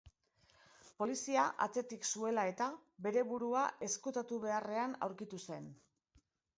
Polizia atzetik zuela-eta, bere burua ezkutatu beharrean aurkitu zen.